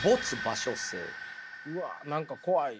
うわっ何か怖い。